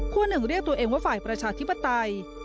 หนึ่งเรียกตัวเองว่าฝ่ายประชาธิปไตย